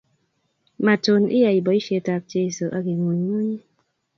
Matun iyai boishet ab Jeso aking'ung'unyi